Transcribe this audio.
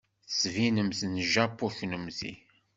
Tettbinemt-d n Japu kunemti.